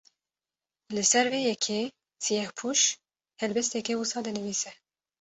Li ser vê yekê, Siyehpûş helbesteke wisa dinivîse